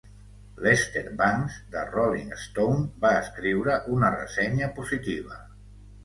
Lester Bangs, de "Rolling Stone", va escriure una ressenya positiva.